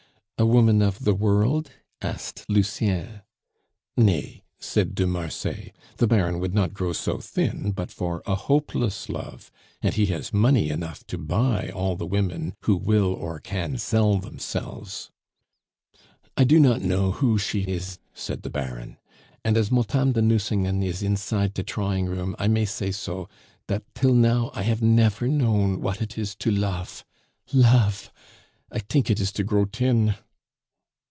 "A woman of the world?" asked Lucien. "Nay," said de Marsay. "The Baron would not grow so thin but for a hopeless love, and he has money enough to buy all the women who will or can sell themselves!" "I do not know who she it," said the Baron. "And as Motame de Nucingen is inside de trawing room, I may say so, dat till now I have nefer known what it is to lof. Lof! I tink it is to grow tin."